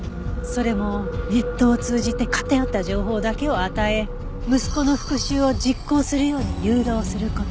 それもネットを通じて偏った情報だけを与え息子の復讐を実行するように誘導する事で。